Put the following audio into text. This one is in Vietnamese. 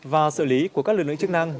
và xử lý của các lực lượng chức năng